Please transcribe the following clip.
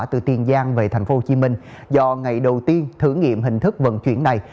từ tiền giang về tp hcm do ngày đầu tiên thử nghiệm hình thức vận chuyển này